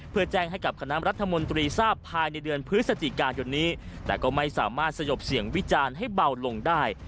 เพื่อแจ้งให้กับคณะรัฐมนตรีทราบภายในเดือนพฤศจิกายนนี้แต่ก็ไม่สามารถสยบเสียงวิจารณ์ให้เบาลงได้